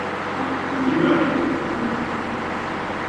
Nairobi ni mji mkuu wa Kenya